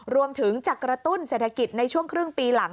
รวมถึงจะกระตุ้นเศรษฐกิจในช่วงครึ่งปีหลัง